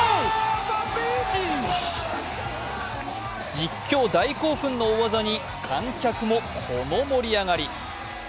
実況大興奮の大技に観客もこの盛り上がり。